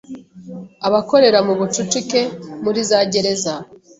abakorera mu bucucike, muri za gereza,